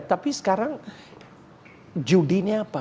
tapi sekarang judinya apa